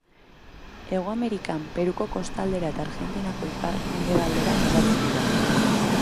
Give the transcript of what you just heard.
Hego Amerikan, Peruko kostaldera eta Argentinako iparmendebaldera mugatzen dira.